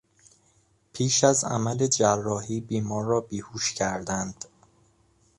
پیش از عمل جراحی بیمار را بیهوش کردند.